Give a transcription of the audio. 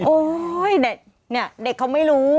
โอ้ยเด็กเขาไม่รู้